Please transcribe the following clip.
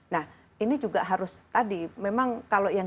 nah ini juga harus tadi memang kalau yang